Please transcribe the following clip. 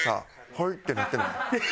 「はい」ってなってない？